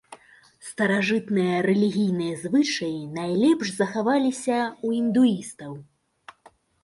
Старажытныя рэлігійныя звычаі найлепш захаваліся ў індуістаў.